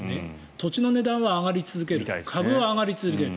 土地の値段は上がり続ける株は上がり続ける。